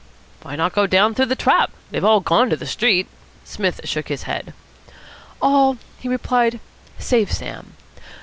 "Why not go down through the trap? They've all gone to the street." Psmith shook his head. "All," he replied, "save Sam.